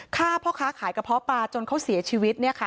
ฆ่าพ่อค้าขายกระเพาะปลาจนเขาเสียชีวิตเนี่ยค่ะ